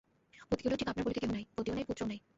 পতিকুলেও ঠিক আপনার বলিতে কেহ নাই, পতিও নাই পুত্রও নাই।